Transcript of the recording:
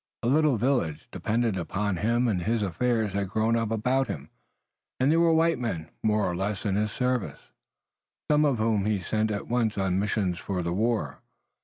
A little village, dependent upon him and his affairs had grown up about him, and there were white men more or less in his service, some of whom he sent at once on missions for the war.